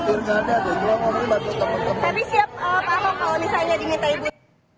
saya sama ibu tidak pernah ngomongin surat suratnya tapi siap pak auk kalau misalnya diminta ibu